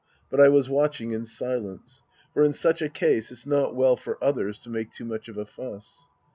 But I was watching in silence. For in such a case it's not well for others to make too much of a fuss.